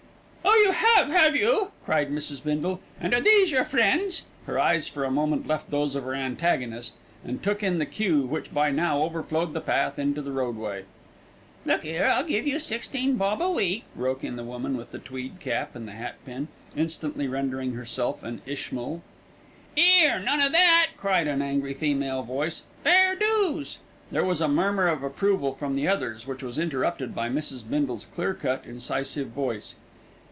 "Oh! you have, have you?" cried Mrs. Bindle. "And are these your friends?" Her eyes for a moment left those of her antagonist and took in the queue which, by now, overflowed the path into the roadway. "Look 'ere, I'll give you sixteen bob a week," broke in the woman with the tweed cap and the hat pin, instantly rendering herself an Ishmael. "'Ere, none o' that!" cried an angry female voice. "Fair do's." There was a murmur of approval from the others, which was interrupted by Mrs. Bindle's clear cut, incisive voice.